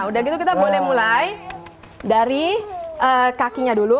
udah gitu kita boleh mulai dari kakinya dulu